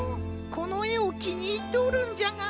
このえをきにいっておるんじゃが。